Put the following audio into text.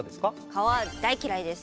蚊は大嫌いです。